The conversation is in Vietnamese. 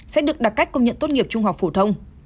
sẽ được đặt cách công nhận tốt nghiệp trung học phổ thông